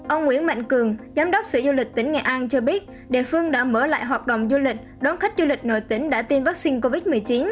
ông nguyễn mạnh cường giám đốc sở du lịch tỉnh nghệ an cho biết địa phương đã mở lại hoạt động du lịch đón khách du lịch nội tỉnh đã tiêm vaccine covid một mươi chín